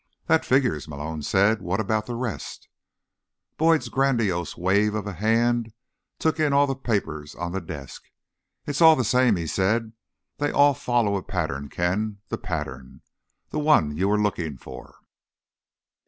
"That figures," Malone said. "What about the rest?" Boyd's grandiose wave of a hand took in all the papers on the desk. "It's all the same," he said. "They all follow a pattern, Ken, the pattern. The one you were looking for."